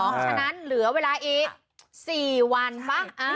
ฉะนั้นเหลือเวลาอีก๔วันมา